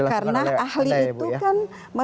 karena ahli itu kan